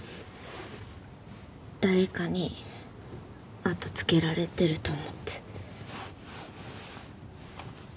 誰かに後つけられてると思って。